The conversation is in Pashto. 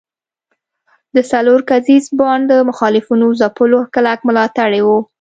د څلور کسیز بانډ د مخالفینو ځپلو کلک ملاتړي وو.